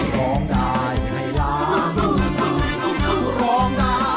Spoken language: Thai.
ร้องได้ให้ล้าน